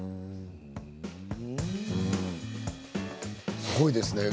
すごいですね